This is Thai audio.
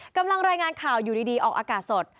กำลังรายงานข่าวอยู่ดีออกอากาศสด